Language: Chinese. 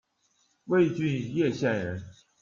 魏郡邺县人。